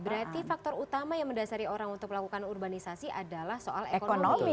berarti faktor utama yang mendasari orang untuk melakukan urbanisasi adalah soal ekonomi